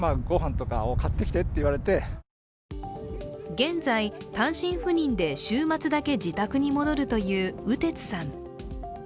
現在、担任赴任で週末だけ自宅に戻るという宇鉄さん。